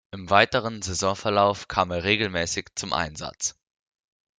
Im weiteren Saisonverlauf kam er regelmäßig zum Einsatz.